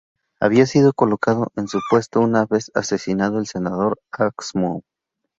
Había sido colocado en su puesto una vez asesinado el Senador Ask Moe.